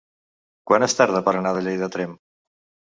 Quant es tarda per anar de Lleida a Tremp?